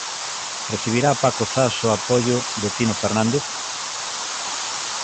Recibirá Paco Zas o apoio de Tino Fernández?